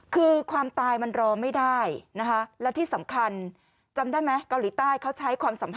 คือความตายมันรอไม่ได้และที่สำคัญจำได้ไหม